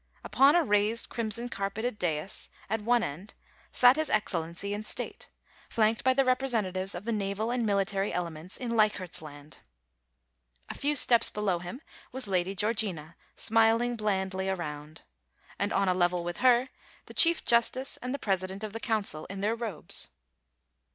Upon a raised crimson carpeted dais, at one end, sat his Excellency in state, flanked by the representatives of the nax al and military elements in Leichardt's Land. A few steps below him was Lady Georgina, smiling blandly around ; and on a levelwithhertheChief Justice and the President of the Council in their robes.